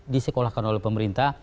disekolahkan oleh pemerintah